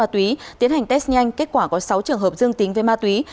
tất cả có sáu trường hợp dương tính về ma túy